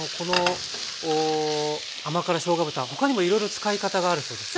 甘辛しょうが豚他にもいろいろ使い方があるそうですね。